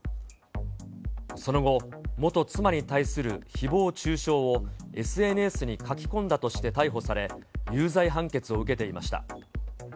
その後、元妻に対するひぼう中傷をＳＮＳに書き込んだとして逮捕され、有罪判決を受けていました。